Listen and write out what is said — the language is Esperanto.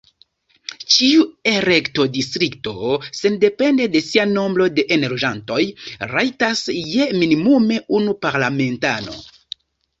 Ĉiu elektodistrikto, sendepende de sia nombro de enloĝantoj, rajtas je minimume unu parlamentano.